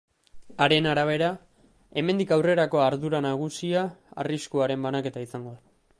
Haren arabera, hemendik aurrerako ardura nagusia arriskuaren banaketa izango da.